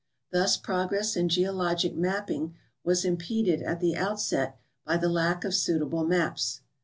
Thus progress in geo logic mapping was impeded at the outset by the lack of suitable maps.